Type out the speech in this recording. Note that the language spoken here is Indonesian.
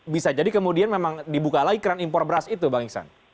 bisa jadi kemudian memang dibuka lagi keran impor beras itu bang iksan